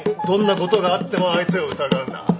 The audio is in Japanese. どんなことがあっても相手を疑うな。